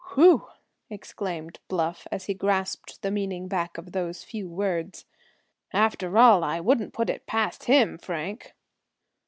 "Whew!" exclaimed Bluff, as he grasped the meaning back of those few words. "After all, I wouldn't put it past him, Frank."